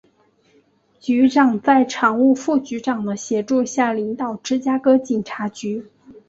局长在常务副局长的协助下领导芝加哥警察局。